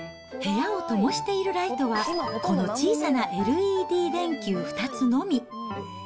部屋をともしているライトは、この小さなＬＥＤ電球２つのみ。